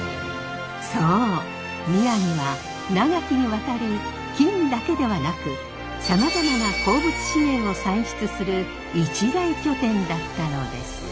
そう宮城は長きにわたり金だけではなくさまざまな鉱物資源を産出する一大拠点だったのです。